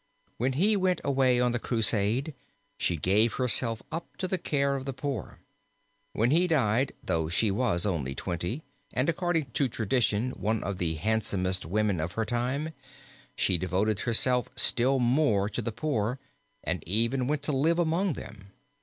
When he went away on the Crusade she gave herself up to the care of the poor. When he died, though she was only twenty, and according to tradition one of the handsomest women of her time, she devoted herself still more to her poor and even went to live among them.